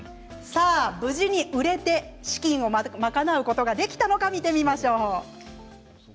無事に売れて資金を賄うことができたのか見てみましょう。